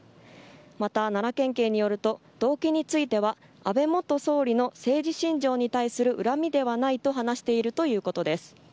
また、奈良県警によると動機については安倍元総理の政治信条に対する恨みではないと話しているということです。